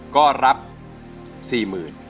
ก็รับ๔๐๐๐บาท